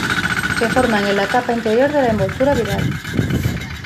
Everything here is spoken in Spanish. Se forman en la capa interior de la envoltura viral.